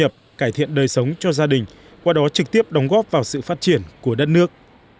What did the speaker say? đối với các công nghiệp cải thiện đời sống cho gia đình qua đó trực tiếp đóng góp vào sự phát triển của đất nước